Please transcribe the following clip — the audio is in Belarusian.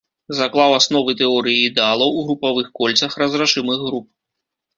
Заклаў асновы тэорыі ідэалаў у групавых кольцах разрашымых груп.